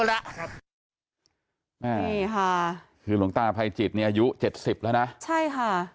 นี่ค่ะคือหลวงตาภัยจิตเนี่ยอายุเจ็ดสิบแล้วนะใช่ค่ะ